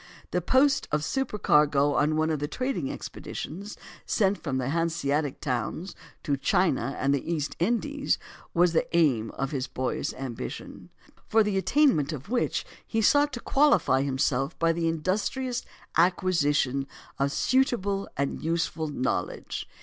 The post of supercargo on one of the trading expeditions sent out from the Hanseatic towns to China and the East Indies was the aim of his boyish ambition, for the attainment of which he sought to qualify himself by the industrious acquisition of suitable and useful knowledge.